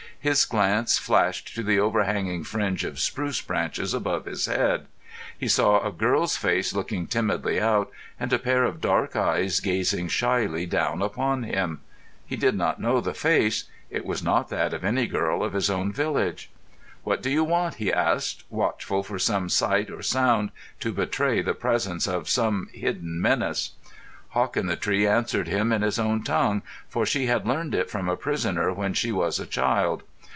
His glance flashed to the overhanging fringe of spruce branches above his head. He saw a girl's face looking timidly out, and a pair of dark eyes gazing shyly down upon him. He did not know the face. It was not that of any girl of his own village. "What do you want?" he asked, watchful for some sight or sound to betray the presence of some hidden menace. Hawk in the Tree answered him in his own tongue, for she had learned it from a prisoner when she was a child.